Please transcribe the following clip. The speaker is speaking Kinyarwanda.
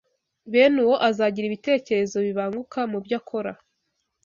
bene uwo azagira ibitekerezo bibanguka mu byo akora